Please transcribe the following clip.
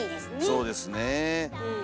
そうですねえ。